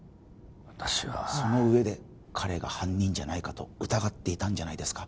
私はその上で彼が犯人じゃないかと疑っていたんじゃないですか？